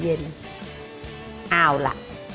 เอาล่ะ